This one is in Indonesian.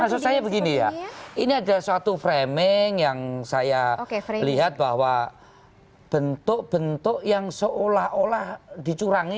maksud saya begini ya ini adalah suatu framing yang saya lihat bahwa bentuk bentuk yang seolah olah dicurangi